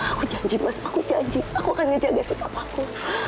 aku janji mas aku janji aku akan ngejaga sikap aku